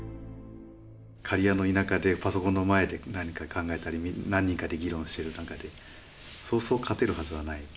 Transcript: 刈谷の田舎でパソコンの前で何か考えたり何人かで議論してる中でそうそう勝てるはずはない。